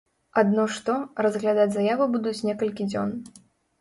Адно што, разглядаць заяву будуць некалькі дзён.